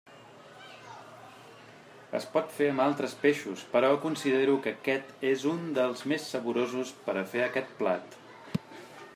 Es pot fer amb altres peixos, però considero que aquest és un dels més saborosos per a fer aquest plat.